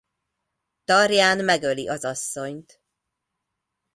Tarján megöli az asszonyt.